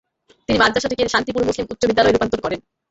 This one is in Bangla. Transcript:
তিনি মাদ্রাসাটিকে শান্তিপুর মুসলিম উচ্চ বিদ্যালয়ে রূপান্তর করেন।